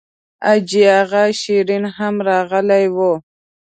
حاجي اغا شېرین هم راغلی و.